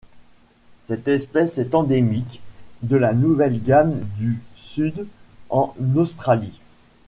Cette espèce est endémique de la Nouvelle-Galles du Sud en Australie.